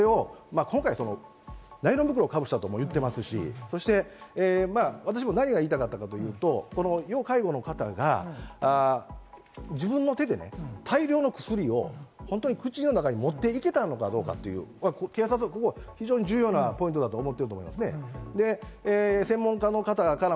でも、まったく同意がないのに、それを今回、ナイロン袋をかぶせたとも言っていますし、私も何が言いたかったのかと言いますと、要介護の方が自分の手でね、大量の薬を本当に口の中に持っていけたのかどうかと、警察もここ重要なポイントだと思っていると思いますね。